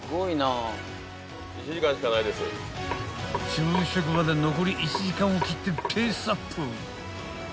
［昼食まで残り１時間を切ってペースアップ］